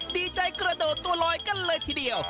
ดีใจกระโดดตัวลอยกันเลยทีเดียว